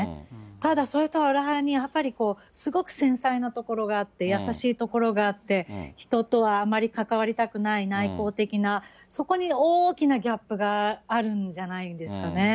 ただ、それとは裏腹に、やっぱりすごく繊細なところがあって、優しいところがあって、人とはあまり関わりたくない内向的な、そこに大きなギャップがあるんじゃないですかね。